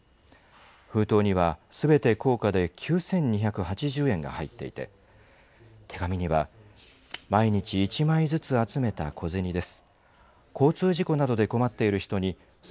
封筒には、すべて硬貨で９２８０円が入っていて、手紙には毎日１枚づつ集めた小銭です。